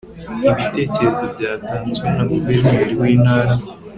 ibitekerezo byatanzwe na guverineri w'intara